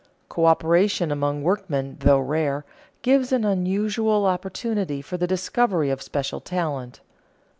Coöperation among workmen, though rare, gives an unusual opportunity for the discovery of special talent.